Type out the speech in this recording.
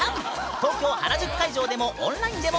東京・原宿会場でもオンラインでも観覧できるぬん。